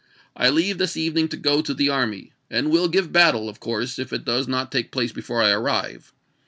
I leave this evening to go to the army, and will give battle, of course, if it does J MaSi, not take place before I arrive.